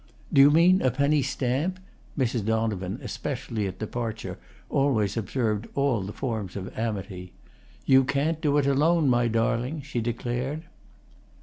"Do you mean a penny stamp?" Mrs. Donovan, especially at departure, always observed all the forms of amity. "You can't do it alone, my darling," she declared.